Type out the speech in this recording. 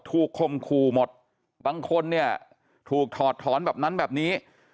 คมคู่หมดบางคนเนี่ยถูกถอดถอนแบบนั้นแบบนี้